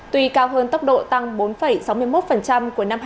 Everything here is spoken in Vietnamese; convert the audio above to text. tùy cao hơn tốc độ tăng bốn sáu mươi một của năm hai nghìn hai mươi